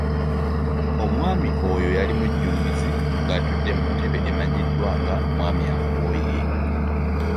Omwami oyo yali mujjumbiizi ng'atudde mu ntebe emanyiddwa nga "mwami-akooye".